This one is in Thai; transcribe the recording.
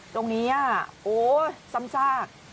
ตรงนี้อ่ะสัมศาสตร์